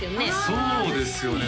そうですよね